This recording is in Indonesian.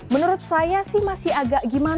menurut saya sih masih agak gimana